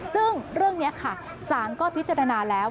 ซึ่งเรื่องนี้ค่ะสารก็พิจารณาแล้ว